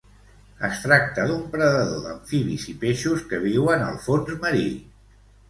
Es tracta d'un predador d'amfibis i peixos que viuen al fons marí.